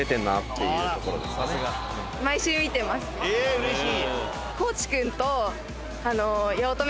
うれしい！